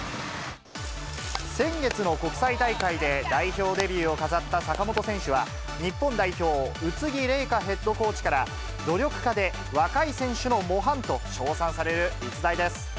先月の国際大会で代表デビューを飾った坂本選手は、日本代表、宇津木麗華ヘッドコーチから、努力家で、若い選手の模範と称賛される逸材です。